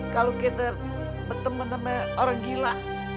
kalo kita bertemu temu orang gila